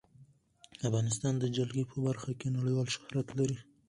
افغانستان د جلګه په برخه کې نړیوال شهرت لري.